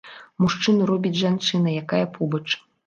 Мужчыну робіць жанчына, якая побач.